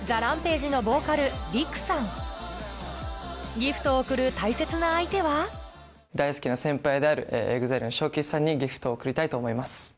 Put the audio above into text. ギフトを贈る大切な相手は大好きな先輩であるＥＸＩＬＥのＳＨＯＫＩＣＨＩさんにギフトを贈りたいと思います。